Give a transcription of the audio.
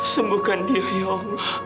sembuhkan dia ya allah